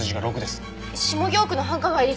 下京区の繁華街です。